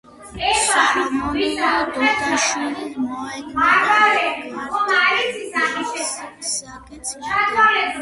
სოლომონ დოდაშვილის მოედნიდან გარდაბნის გზატკეცილამდე.